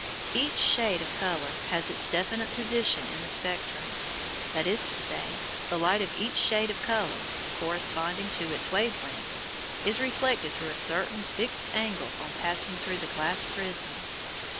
Each shade of colour has its definite position in the spectrum. That is to say, the light of each shade of colour (corresponding to its wave length) is reflected through a certain fixed angle on passing through the glass prism.